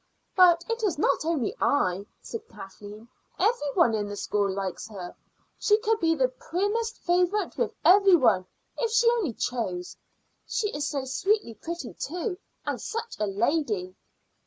"But it is not only I," said Kathleen; "every one in the school likes her. She could be the primest favorite with every one if she only chose. She is so sweetly pretty, too, and such a lady."